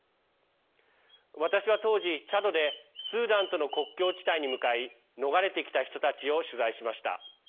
私は当時、チャドでスーダンとの国境地帯に向かい逃れてきた人たちを取材しました。